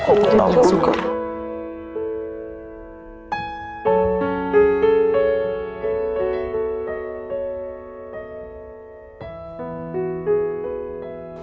ขอบคุณมากคุณพ่าคุ้มกลอง